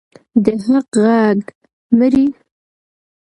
د حق غږ مري؟